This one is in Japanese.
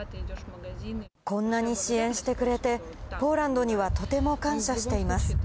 こんなに支援してくれて、ポーランドにはとても感謝しています。